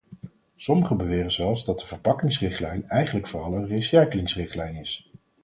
Sommigen beweren zelfs dat de verpakkingsrichtlijn eigenlijk vooral een recyclingrichtlijn is.